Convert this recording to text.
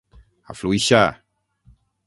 Afluixa!